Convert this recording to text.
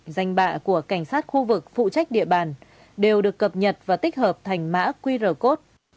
danh bạ của cảnh sát khu vực phụ trách địa bàn đều được cập nhật và tích hợp thành mã qr code